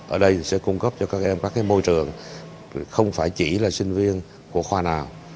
ở đây sẽ cung cấp cho các em các môi trường không phải chỉ là sinh viên của khoa nào